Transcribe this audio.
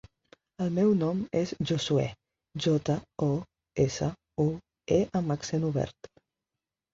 El meu nom és Josuè: jota, o, essa, u, e amb accent obert.